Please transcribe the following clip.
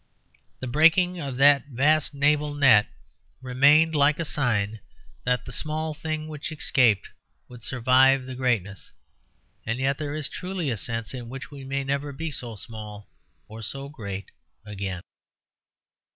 The breaking of that vast naval net remained like a sign that the small thing which escaped would survive the greatness. And yet there is truly a sense in which we may never be so small or so great again.